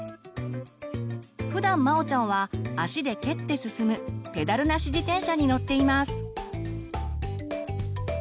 ふだんまおちゃんは足で蹴って進む「ペダルなし自転車」に乗っています。